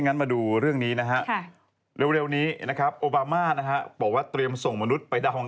และอย่างหนึ่งกุญแจนี่ต้องอยู่กับเราตลอด